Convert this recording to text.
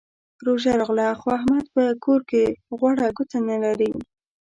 روژه راغله؛ خو احمد په کور کې غوړه ګوته نه لري.